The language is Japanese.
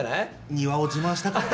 庭を自慢したかった。